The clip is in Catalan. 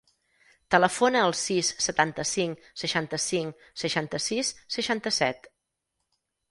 Telefona al sis, setanta-cinc, seixanta-cinc, seixanta-sis, seixanta-set.